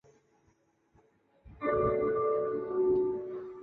巍焕楼的历史年代为清代。